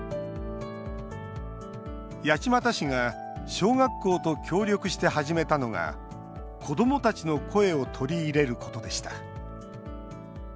八街市が小学校と協力して始めたのが子どもたちの声を取り入れることでした。